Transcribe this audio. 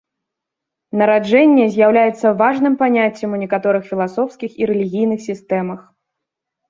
Нараджэнне з'яўляецца важным паняццем у некаторых філасофскіх і рэлігійных сістэмах.